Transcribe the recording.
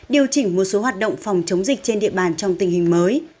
điều chỉnh một số hoạt động phòng chống dịch trên địa bàn trong tình hình mới